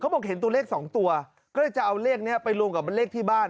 บอกเห็นตัวเลข๒ตัวก็เลยจะเอาเลขนี้ไปรวมกับเลขที่บ้าน